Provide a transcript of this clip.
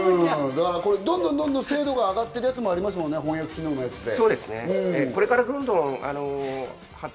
どんどん精度が上がってるやつもありますよね、翻訳機能のやつで。